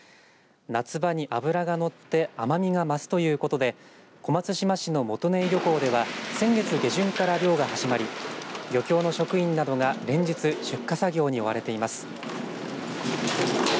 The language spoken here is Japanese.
夏場に脂がのって甘みが増すということで小松島市の元根井漁港では先月下旬から漁が始まり漁協の職員などが連日出荷作業に追われています。